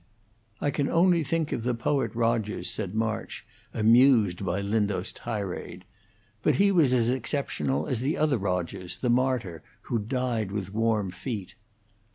"I can only think of the poet Rogers," said March, amused by Lindau's tirade. "But he was as exceptional as the other Rogers, the martyr, who died with warm feet."